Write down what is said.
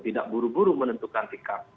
tidak buru buru menentukan sikap